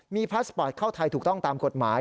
มีพาสปอร์ตเข้าไทยถูกต้องตามกฎหมาย